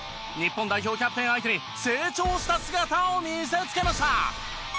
日本代表キャプテン相手に成長した姿を見せつけました。